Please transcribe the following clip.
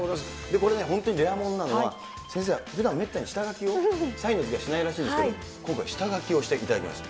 これね、本当にレアものなのは、先生、ふだん、めったに下書きを、サインのときはしないらしいんですけど、今回、下描きをしていただきました。